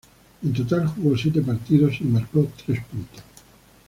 En total jugó siete partidos y marcó tres puntos.